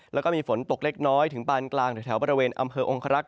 แล้วก็มีฝนตกเล็กน้อยถึงปานกลางแถวบริเวณอำเภอองคลักษ